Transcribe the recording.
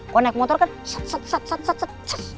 kok naik motor kan sat sat sat sat sat sat sat